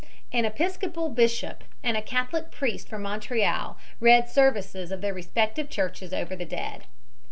An Episcopal bishop and a Catholic priest from Montreal read services of their respective churches over the dead.